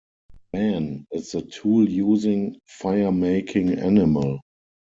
Man is the tool-using, fire-making animal.